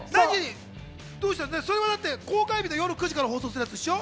公開日の夜９時から放送するやつでしょ？